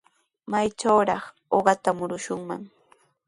¿Maytrawraq uqata murushwan?